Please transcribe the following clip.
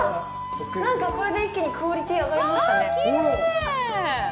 なんかこれで一気にクオリティー上がりましたね。